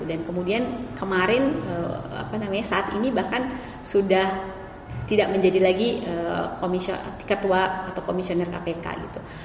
dan kemudian kemarin apa namanya saat ini bahkan sudah tidak menjadi lagi ketua atau komisioner kpk gitu